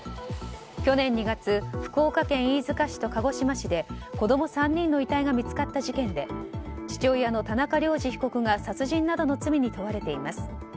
去年２月福岡県飯塚市と鹿児島市で子供３人の遺体が見つかった事件で父親の田中涼二被告が殺人などの罪に問われています。